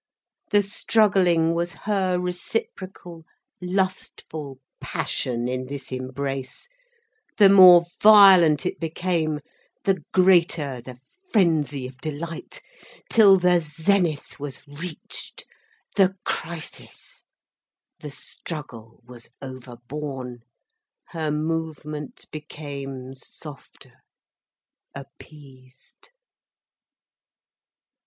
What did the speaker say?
The struggling was her reciprocal lustful passion in this embrace, the more violent it became, the greater the frenzy of delight, till the zenith was reached, the crisis, the struggle was overborne, her movement became softer, appeased.